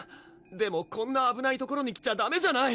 でもこんなあぶない所に来ちゃダメじゃない！